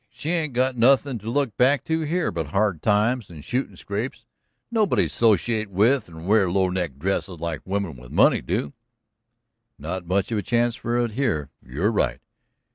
She ain't got nothing to look back to here but hard times and shootin' scrapes nobody to 'sociate with and wear low neckid dresses like women with money want to." "Not much chance for it here you're right."